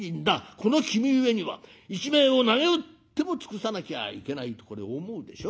この君上には一命をなげうっても尽くさなきゃいけない』とこれ思うでしょ？